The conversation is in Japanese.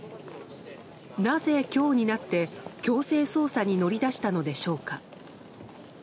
なぜ今日になって、強制捜査に乗り出したのでしょうか。